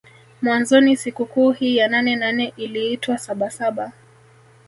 Mwanzoni sikukuu hii ya nane nane iliitwa saba saba